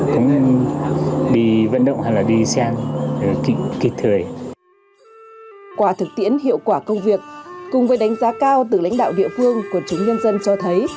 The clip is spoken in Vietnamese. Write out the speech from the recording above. qua thực tiễn hiệu quả công việc cùng với đánh giá cao từ lãnh đạo địa phương quần chúng nhân dân cho thấy